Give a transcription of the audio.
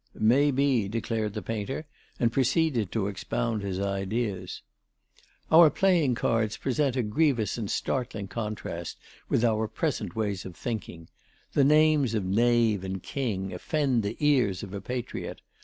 "May be," declared the painter, and proceeded to expound his ideas. "Our playing cards present a grievous and startling contrast with our present ways of thinking. The names of knave and king offend the ears of a patriot.